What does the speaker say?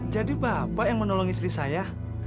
jadi bapak yang menolong istri saya